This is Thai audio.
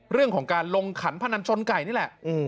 เรื่องของการลงขันพนันชนไก่นี่แหละ